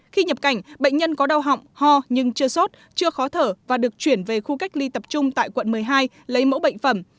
khi nhập cảnh bệnh nhân có đau họng ho nhưng chưa sốt chưa khó thở và được chuyển về khu cách ly tập trung tại quận một mươi hai lấy mẫu bệnh phẩm